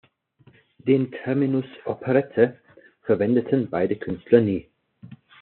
Den Terminus „Operette“ verwendeten beide Künstler nie.